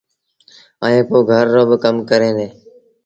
ائيٚݩ پو گھر رو ڪم ڪريݩ ديٚݩ۔